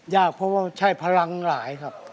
ยากเพราะว่าใช่พลังหลายครับ